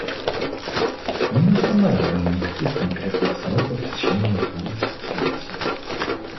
Мы не устанавливали никаких конкретных сроков в течение двух десятилетий.